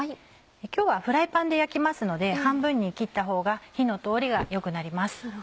今日はフライパンで焼きますので半分に切ったほうが火の通りが良くなります。